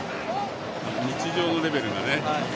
日常のレベルがね。